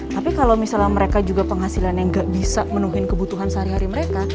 tapi kalau misalnya mereka juga penghasilan yang gak bisa menuhin kebutuhan sehari hari mereka